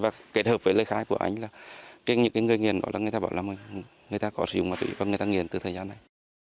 và kết hợp với lời khai của anh là cái người nghiện đó là người ta bảo là người ta có sử dụng má tuỷ và người ta nghiện từ thời gian này